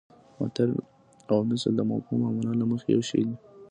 متل او مثل د مفهوم او مانا له مخې یو شی دي